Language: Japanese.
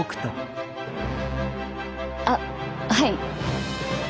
あっはい。